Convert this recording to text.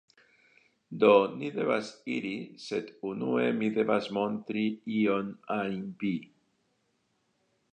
Do, ni devas iri sed unue mi devas montri ion ajn vi